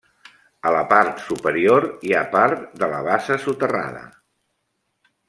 A la part superior hi ha part de la bassa soterrada.